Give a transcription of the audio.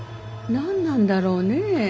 何なんだろうね。